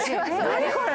何これ⁉